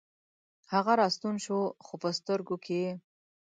هغه راستون شو، خوپه سترګوکې یې